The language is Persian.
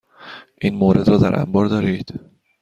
این مورد را در انبار دارید؟